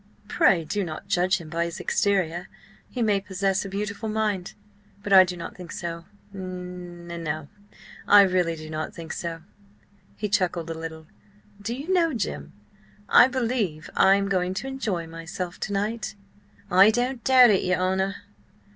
Pray, do not judge him by his exterior. He may possess a beautiful mind. But I do not think so. N no, I really do not think so." He chuckled a little. "Do you know, Jim, I believe I am going to enjoy myself to night!" "I don't doubt it, your honour.